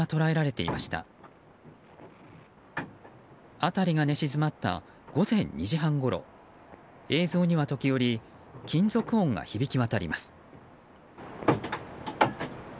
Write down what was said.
辺りが寝静まった午前２時半ごろ映像には時折、金属音が響き渡ります。